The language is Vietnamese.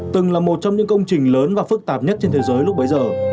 từng là một trong những công trình lớn và phức tạp nhất trên thế giới lúc bấy giờ